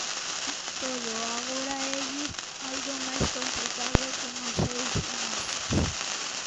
Todo, agora, élle algo máis complicado que nos seus inicios.